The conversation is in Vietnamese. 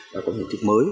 là có một kỷ hữu mới